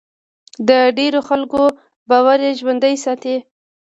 د ډېرو خلکو باور یې ژوندی ساتي.